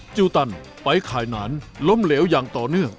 จิลตันไปขายนานล้มเหลวอย่างต่อเนื่อง